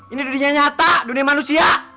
ini dunia nyata dunia manusia